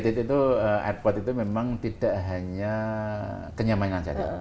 itu airport itu memang tidak hanya kenyamanan saja